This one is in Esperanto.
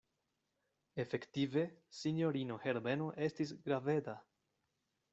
Efektive sinjorino Herbeno estis graveda.